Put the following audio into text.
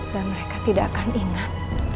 dan mereka tidak akan ingat